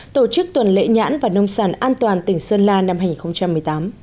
tổ chức tuần lễ nhãn và nông sản an toàn tỉnh sơn la năm hai nghìn một mươi tám